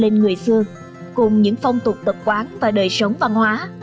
lên người xưa cùng những phong tục tập quán và đời sống văn hóa